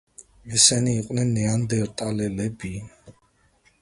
ესენი იყვნენ ნეანდერტალელები.